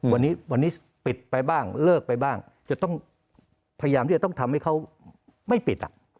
วันนี้วันนี้ปิดไปบ้างเลิกไปบ้างจะต้องพยายามที่จะต้องทำให้เขาไม่ปิด